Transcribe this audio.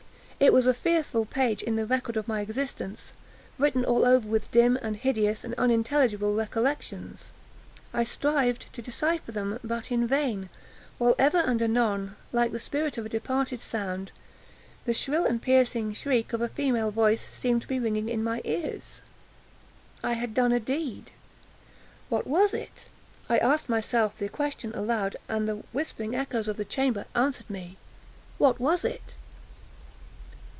It was a fearful page in the record my existence, written all over with dim, and hideous, and unintelligible recollections. I strived to decypher them, but in vain; while ever and anon, like the spirit of a departed sound, the shrill and piercing shriek of a female voice seemed to be ringing in my ears. I had done a deed—what was it? I asked myself the question aloud, and the whispering echoes of the chamber answered me,—"_What was it?